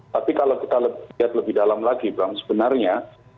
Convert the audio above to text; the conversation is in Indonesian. tapi kalau kita lihat lebih dalam lagi bang sebenarnya